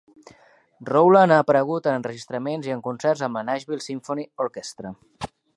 Rowland ha aparegut en enregistraments i en concert amb la Nashville Symphony Orchestra.